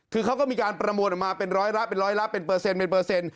คือเขาก็มีการประมวลออกมาเป็นร้อยละเป็นร้อยละเป็นเปอร์เซ็นต์เป็นเปอร์เซ็นต์